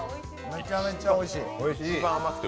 めちゃめちゃおいしい。